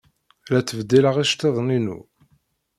La ttbeddileɣ iceḍḍiḍen-inu.